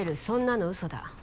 「そんなの嘘だ」